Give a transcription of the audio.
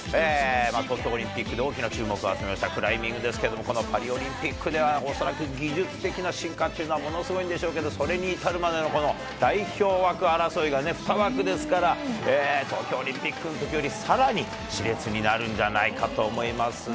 東京オリンピックで大きな注目を集めたクライミングですけども、このパリオリンピックでは、恐らく技術的な進化というのはものすごいんでしょうけど、それに至るまでの代表争いが２枠ですから、東京オリンピックのときより、さらにしれつになるんじゃないかと思いますね。